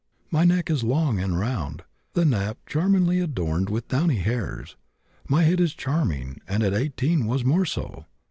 My neck is long and round, the nape charmingly adorned with downy hairs. My head is charming, and at 18 was more so.